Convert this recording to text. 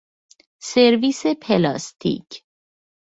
سرویس پلاستیک